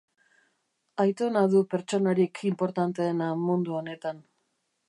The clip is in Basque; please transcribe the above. Aitona du pertsonarik inportanteena mundu honetan.